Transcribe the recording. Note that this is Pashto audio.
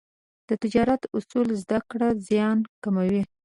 د تجارت اصول زده کړه، زیان کموي.